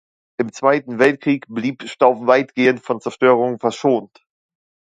Im Zweiten Weltkrieg blieb Stauf weitgehend von Zerstörungen verschont.